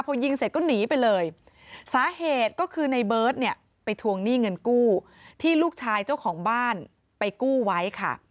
พอยิงเสร็จก็หนีไปเลยสาเหตุก็คือในเบิร์ตเนี่ยไปทวงหนี้เงินกู้ที่ลูกชายเจ้าของบ้านไปกู้ไว้ค่ะ